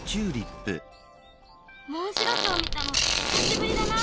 モンシロチョウ見たの久しぶりだな。